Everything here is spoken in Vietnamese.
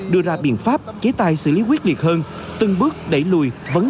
đưa ra biện pháp chế tài xử lý quyết liệt hơn từng bước đẩy lùi vấn nạn xe trá hình